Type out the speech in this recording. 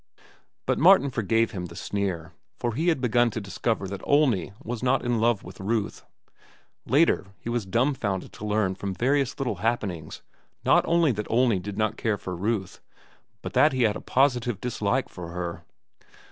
But Martin forgave him the sneer, for he had begun to discover that Olney was not in love with Ruth. Later, he was dumfounded to learn from various little happenings not only that Olney did not care for Ruth, but that he had a positive dislike for her.